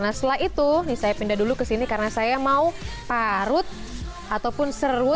nah setelah itu saya pindah dulu ke sini karena saya mau parut ataupun seru